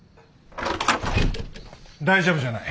大丈夫じゃない。